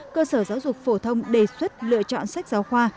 cơ sở giáo dục phổ thông đề xuất lựa chọn sách giáo khoa